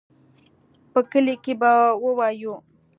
په کلي کښې به ووايو.